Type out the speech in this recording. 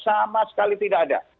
sama sekali tidak ada